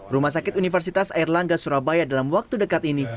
rumah sakit universitas airlangga surabaya dalam waktu dekat ini